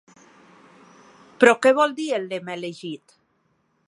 Però què vol dir el lema elegit?